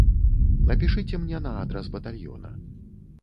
Напішыце мне на адрас батальёна.